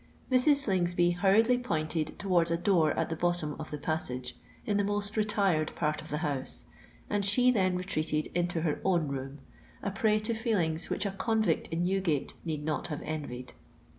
Mrs. Slingsby hurriedly pointed towards a door at the bottom of the passage, in the most retired part of the house; and she then retreated into her own room, a prey to feelings which a convict in Newgate need not have envied.